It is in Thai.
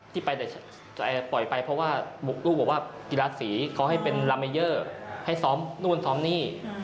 ที่ไปแต่ปล่อยไปเพราะว่าบุกลูกบอกว่ากีฬาสีเขาให้เป็นลาเมเยอร์ให้ซ้อมนู่นซ้อมนี่